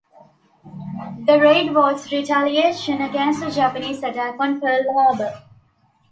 The raid was retaliation against the Japanese attack on Pearl Harbor.